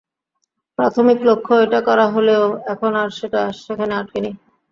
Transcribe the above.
প্রাথমিক লক্ষ্য এটা করা হলেও এখন আর সেটা সেখানে আটকে নেই।